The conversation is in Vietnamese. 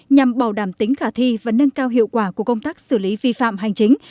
nhằm bảo đảm tính khả thi và nâng cao hiệu quả của công tác xử lý vi phạm hành chính